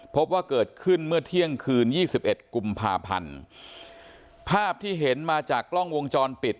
พบว่าเกิดขึ้นเมื่อเที่ยงคืนยี่สิบเอ็ดกุมภาพันธ์ภาพที่เห็นมาจากกล้องวงจรปิด